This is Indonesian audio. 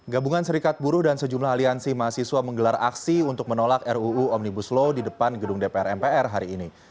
gabungan serikat buruh dan sejumlah aliansi mahasiswa menggelar aksi untuk menolak ruu omnibus law di depan gedung dpr mpr hari ini